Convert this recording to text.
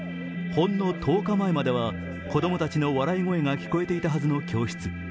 ほんの１０日前までは子供たちの笑い声が聞こえていたはずの教室。